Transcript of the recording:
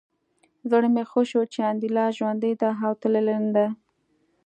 زړه مې ښه شو چې انیلا ژوندۍ ده او تللې نه ده